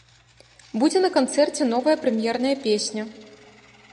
Будзе на канцэрце новая прэм'ерная песня.